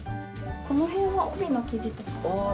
この辺は帯の生地とかで。